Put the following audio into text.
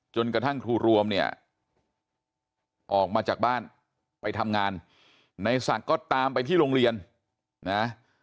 จนกระทั่งครูรวมเนี่ยออกมาจากบ้านไปทำงานในศักดิ์ก็ตามไปที่โรงเรียนนะ